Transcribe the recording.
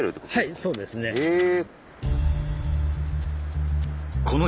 はいそうですね。へえ。